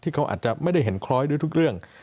เขาอาจจะไม่ได้เห็นคล้อยด้วยทุกเรื่อง